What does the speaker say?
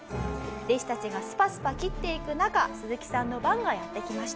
弟子たちがスパスパ斬っていく中スズキさんの番がやってきました。